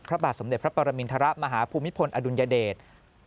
พระบาทสมเด็จพระปรมินทรมาฮภูมิพลอดุลยเดช